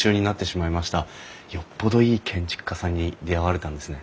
よっぽどいい建築家さんに出会われたんですね。